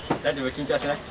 緊張してない？